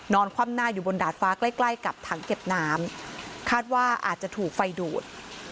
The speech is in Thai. คว่ำหน้าอยู่บนดาดฟ้าใกล้ใกล้กับถังเก็บน้ำคาดว่าอาจจะถูกไฟดูด